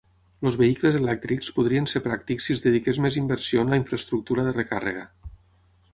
Els vehicles elèctrics podrien ser pràctics si es dediqués més inversió en la infraestructura de recàrrega.